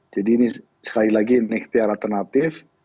jadi ini sekali lagi ini ikhtiar alternatif